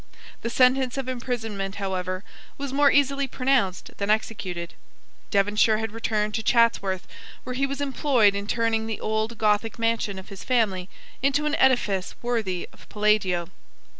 The sentence of imprisonment, however, was more easily pronounced than executed. Devonshire had retired to Chatsworth, where he was employed in turning the old Gothic mansion of his family into an edifice worthy of Palladio.